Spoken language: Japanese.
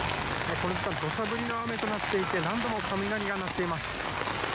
この時間、どしゃ降りの雨となっていて、何度も雷が鳴っています。